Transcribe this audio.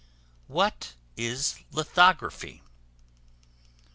] What is Lithography?